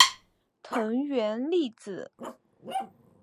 藤原丽子